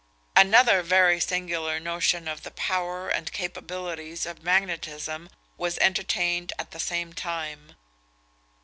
Another very singular notion of the power and capabilities of magnetism was entertained at the same time.